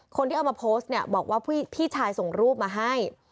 คนที่เอามาโพสต์เนี่ยบอกว่าพี่ชายส่งรูปมาให้